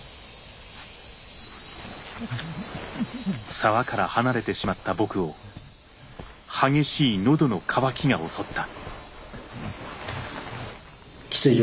沢から離れてしまった僕を激しい喉の渇きが襲った。